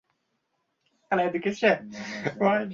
Adirda yonboshlab yotib oldi.